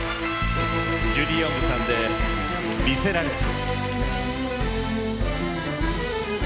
ジュディ・オングさんで「魅せられて」。